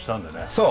そう！